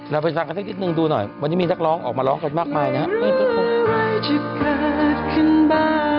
เราไปฟังกันสักนิดนึงดูหน่อยวันนี้มีนักร้องออกมาร้องกันมากมายนะครับ